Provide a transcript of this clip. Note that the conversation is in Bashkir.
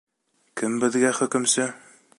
— Кем беҙгә хөкөмсө?